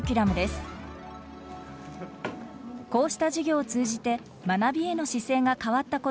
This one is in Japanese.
こうした授業を通じて学びへの姿勢が変わった子どもがいます。